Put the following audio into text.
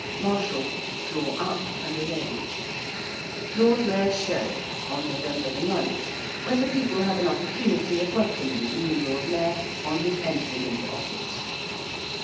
~marshal~: draw up and arrange. ~Lord Mayor's Show~: on November 9 when the people have an opportunity of welcoming the new Lord Mayor on his entering into office.